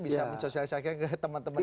bisa men socialisasi ke teman temannya